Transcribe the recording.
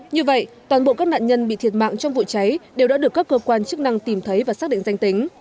như vậy toàn bộ các nạn nhân bị thiệt mạng trong vụ cháy đều đã được các cơ quan chức năng tìm thấy và xác định danh tính